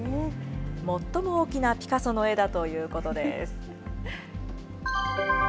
最も大きなピカソの絵だということです。